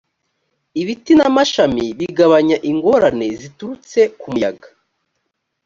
ibiti n’amashami bigabanya ingorane ziturutse ku muyaga